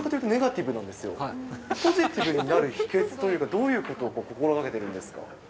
ポジティブになる秘けつというか、どういうことを心掛けているんですか？